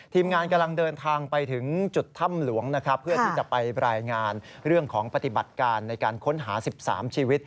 ทีมงานกำลังเดินทางไปถึงจุดถ้ำหลวงนะครับเพื่อที่จะไปรายงานเรื่องของปฏิบัติการในการค้นหา๑๓ชีวิต